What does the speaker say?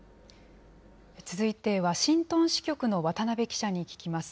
続いて、ワシントン支局の渡辺記者に聞きます。